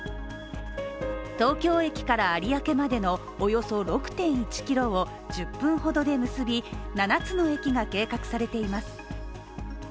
東京駅から有明までのおよそ６．１ｋｍを１０分ほどで結び７つの駅が計画されています。